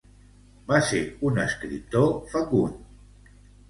Va ser un escriptor fecund.